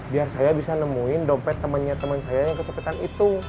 biar saya bisa nemuin dompet temennya teman saya yang kecepatan itu